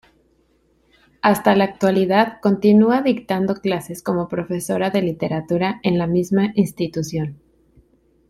Hasta la actualidad continúa dictando clases como profesora de Literatura en la misma institución.